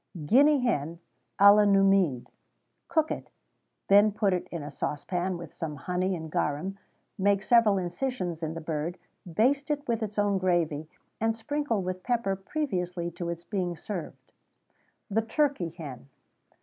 Guinea Hen à la Numide. Cook it; then put it in a saucepan with some honey and garum; make several incisions in the bird; baste it with its own gravy, and sprinkle with pepper previously to its being served.[XVII 101] THE TURKEY HEN.